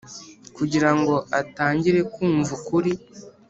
kugira ngo atangire kumva ukuri.